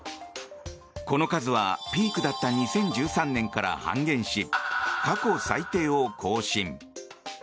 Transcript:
この数はピークだった２０１３年から半減し過去最低を更新。